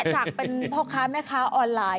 จากเป็นพ่อค้าแม่ค้าออนไลน์